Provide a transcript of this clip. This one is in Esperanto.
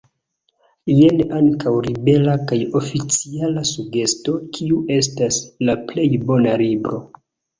Jen ankaŭ libera kaj oficiala sugesto kiu estas “la plej bona libro”.